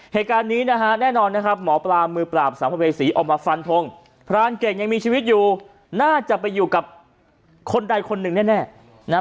เหตุการณ์นี้นะฮะแน่นอนนะครับหมอปลามือปราบสัมภเวษีออกมาฟันทงพรานเก่งยังมีชีวิตอยู่น่าจะไปอยู่กับคนใดคนหนึ่งแน่นะฮะ